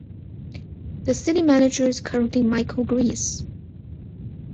The City Manager is currently Michael Graese.